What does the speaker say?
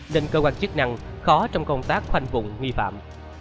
nên cơ quan chức năng khó trong công tác khoanh vùng nghi phạm